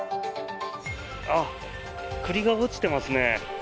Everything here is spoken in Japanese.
あ、栗が落ちてますね。